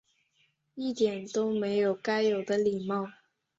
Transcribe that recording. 一点都没有该有的礼貌